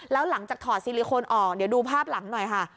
แล้วหลังจากถอดซิลิโคนออกเดี๋ยวดูภาพหลังหน่อยค่ะ